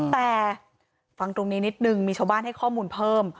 แต่ฟังตรงนี้นิดนึงมีชาวบ้านให้ข้อมูลเพิ่ม